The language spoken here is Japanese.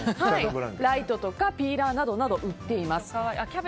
ライトとかピーラーなども売っています。